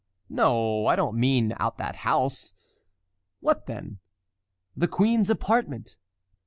"No, I do not mean that house." "What then?" "The queen's apartment."